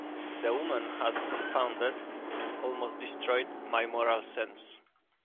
The woman had confounded and almost destroyed my moral sense.